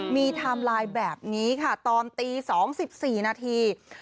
มีไทม์ไลน์แบบนี้ค่ะตอนตี๒๔นาที